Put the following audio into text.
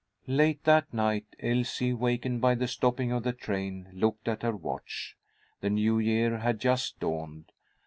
Late that night, Elsie, wakened by the stopping of the train, looked at her watch. The new year had just dawned.